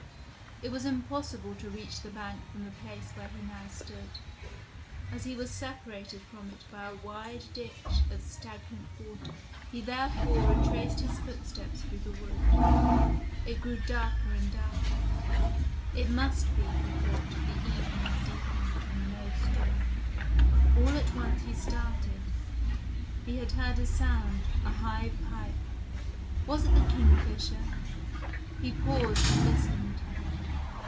It was impossible to reach the bank from the place where he now stood, as he was separated from it by a wide ditch of stagnant water. He therefore retraced his footsteps through the wood. It grew darker and darker; it must be, he thought, the evening deepening and no storm. All at once he started; he had heard a sound, a high pipe. Was it the kingfisher? He paused and listened.